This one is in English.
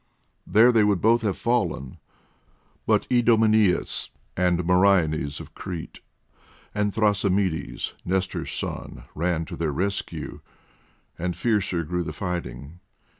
There they would both have fallen, but Idomeneus, and Meriones of Crete, and Thrasymedes, Nestor's son, ran to their rescue, and fiercer grew the fighting.